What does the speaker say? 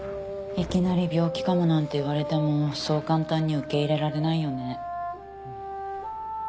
いきなり病気かもなんて言われてもそう簡単に受け入れられないよね。